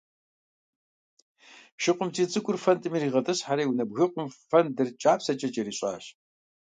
ШыкъумцӀий цӀыкӀур фэндым иригъэтӀысхьэри унэ бгыкъум фэндыр кӀапсэкӀэ кӀэрищӀащ.